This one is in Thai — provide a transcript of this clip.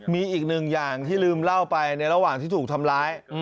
มีอีกหนึ่งอย่างที่ลืมเล่าไปในระหว่างที่ถูกทำร้าย